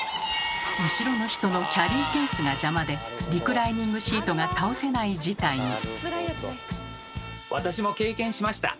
後ろの人のキャリーケースが邪魔でリクライニングシートが倒せない事態に。